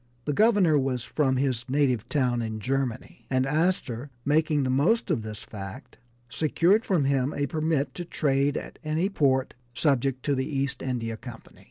The Governor was from his native town in Germany, and Astor, making the most of this fact, secured from him a permit to trade at any port subject to the East India Company.